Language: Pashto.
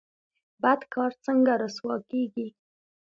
بد کار څنګه رسوا کیږي؟